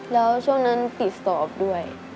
แล้วช่วงนั้นปิดสอบด้วย